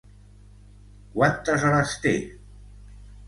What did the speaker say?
Quantes hores té?